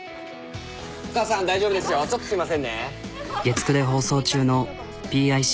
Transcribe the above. お母さん大丈夫ですよちょっとすいませんね。